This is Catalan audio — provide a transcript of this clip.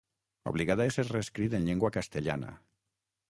Obligat a ésser reescrit en llengua castellana.